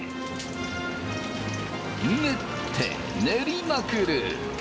練って練りまくる。